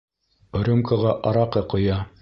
Рюмкаға араҡы ҡоя.